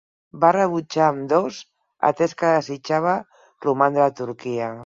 Va rebutjar ambdós, atès que desitjava romandre a Turquia.